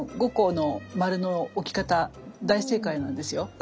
５個の丸の置き方大正解なんですよ。